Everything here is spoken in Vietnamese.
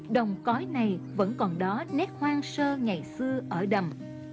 đồng cói này vẫn còn đó nét hoang sơ ngày xưa ở đầm